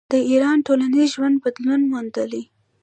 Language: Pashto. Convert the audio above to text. د ایران ټولنیز ژوند بدلون موندلی.